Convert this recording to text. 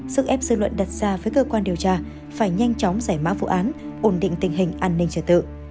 sức ép dư luận đặt ra với cơ quan điều tra phải nhanh chóng giải mã vụ án ổn định tình hình an ninh trật tự